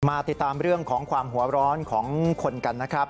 มาติดตามเรื่องของความหัวร้อนของคนกันนะครับ